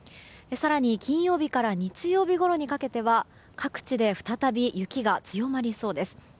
更に金曜日から日曜日ごろにかけては各地で再び雪が強まりそうです。